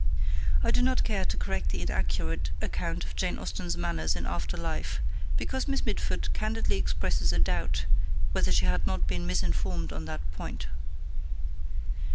I do not care to correct the inaccurate account of Jane Austen's manners in after life: because Miss Mitford candidly expresses a doubt whether she had not been misinformed on that point.